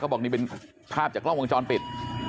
เขาบอกว่านี่เป็นภาพจากล้องวางจรปิด